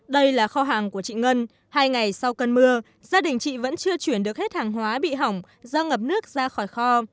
đây là kho hàng của chị ngân hai ngày sau cơn mưa gia đình chị vẫn chưa chuyển được hết hàng hóa bị hỏng do ngập nước ra khỏi kho